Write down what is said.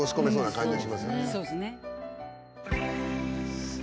そうですね。